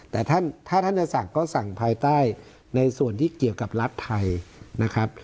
แต่ถ้าท่านจะสั่งก็สั่งภายใต้ในส่วนที่เกี่ยวกับรัฐไทยนะครับ